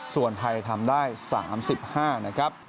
ส่วนไทยทำได้๓๕นะครับ